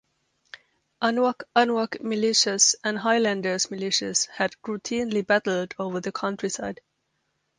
Anuak Anuak militias and highlanders militias had routinely battled over the countryside.